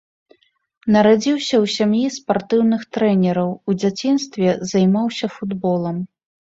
Нарадзіўся ў сям'і спартыўных трэнераў, у дзяцінстве займаўся футболам.